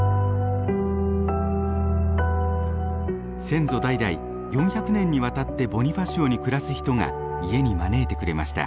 先祖代々４００年にわたってボニファシオに暮らす人が家に招いてくれました。